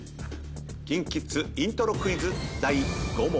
ＫｉｎＫｉＫｉｄｓイントロクイズ第５問。